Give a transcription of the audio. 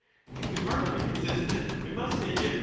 If we are to be consistent, we must say different.